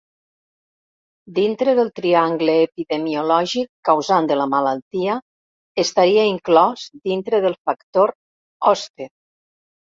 Dintre del triangle epidemiològic causant de malaltia, estaria inclòs dintre del factor hoste.